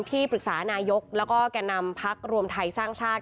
ที่ปรึกษานายกแล้วก็แก่นำพักรวมไทยสร้างชาติ